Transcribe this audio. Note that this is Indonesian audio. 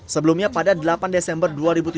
sebelumnya pada delapan desember dua ribu tujuh belas